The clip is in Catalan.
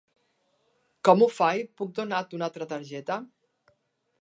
Com ho faig, puc donar-te un altra targeta?